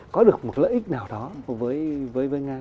có được một lợi ích nào đó với nga